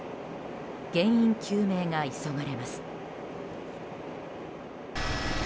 原因究明が急がれます。